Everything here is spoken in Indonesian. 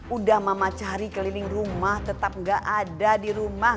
udah mama cari keliling rumah tetap nggak ada di rumah